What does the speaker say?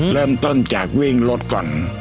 เริ่มต้นจากวิ่งรถก่อน